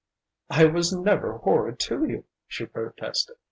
"I never was horrid to you," she protested.